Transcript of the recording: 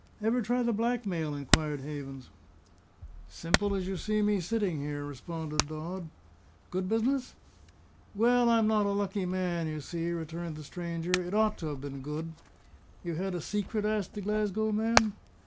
"Ever try the blackmail?" inquired Havens. "Simple as you see me sitting here!" responded Dodd. "Good business?" "Well, I'm not a lucky man, you see," returned the stranger. "It ought to have been good." "You had a secret?" asked the Glasgow man.